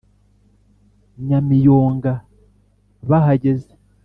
nyamiyonga bahageze